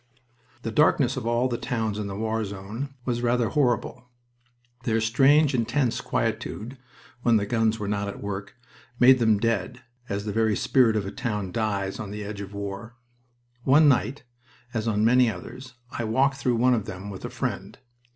The darkness of all the towns in the war zone was rather horrible. Their strange, intense quietude, when the guns were not at work, made them dead, as the very spirit of a town dies on the edge of war. One night, as on many others, I walked through one of them with a friend.